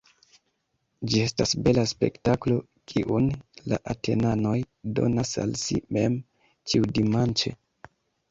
Ĝi estas bela spektaklo, kiun la Atenanoj donas al si mem ĉiudimanĉe.